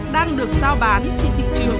đang được giao bán trên thị trường